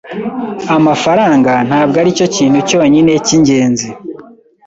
Amafaranga ntabwo aricyo kintu cyonyine cyingenzi.